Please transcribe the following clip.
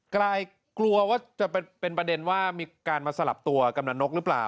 กลายกลัวว่าจะเป็นประเด็นว่ามีการมาสลับตัวกำลังนกหรือเปล่า